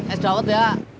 es daud ya